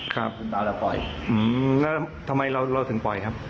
ค่ะทำไมเราถึงปล่อยครับ